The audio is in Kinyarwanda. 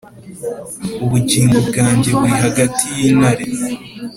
Ubugingo bwanjye burihagati yintare